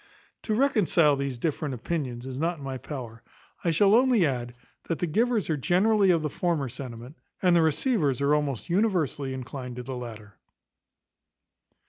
To reconcile these different opinions is not in my power. I shall only add, that the givers are generally of the former sentiment, and the receivers are almost universally inclined to the latter.